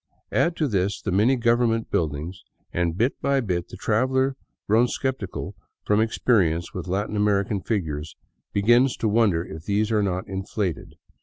Add to this the many government buildings, and bit by bit the traveler grown skeptical from experience with Latin American figures, begins to wonder if these are not inflated.